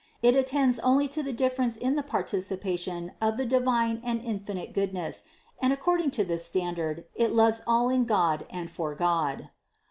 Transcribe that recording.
It attends only to the difference in the participation of the divine and infinite goodness and according to this standard it loves all in God and for God.